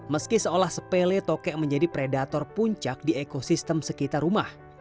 meski seolah sepele tokek menjadi predator puncak di ekosistem sekitar rumah